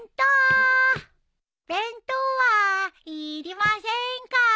弁当はいりませんか？